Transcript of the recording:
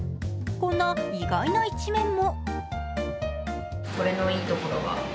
こんな意外な一面も。